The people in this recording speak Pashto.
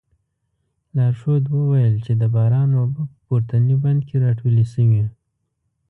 لارښود وویل چې د باران اوبه په پورتني بند کې راټولې شوې.